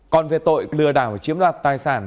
còn về tội lừa đảo chiếm đoạt tài sản